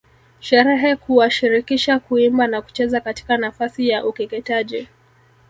Sherehe kuwashirikisha kuimba na kucheza katika nafasi ya ukeketaji